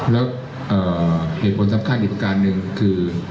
แล้วเหตุผลสำคัญอีกประการหนึ่งคือ